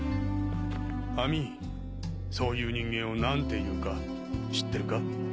アミそういう人間を何ていうか知ってるか？